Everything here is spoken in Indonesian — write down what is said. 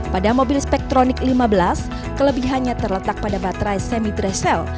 pada mobil spektronik lima belas kelebihannya terletak pada baterai semi dressal